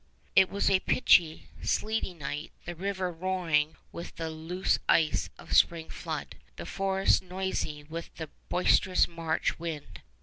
It was a pitchy, sleety night, the river roaring with the loose ice of spring flood, the forests noisy with the boisterous March wind.